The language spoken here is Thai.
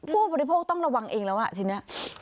ผู้บริโภคต้องระวังเองแล้วทีนี้